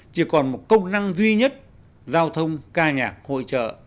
chỉ còn một công năng duy nhất giao thông ca nhạc hội trợ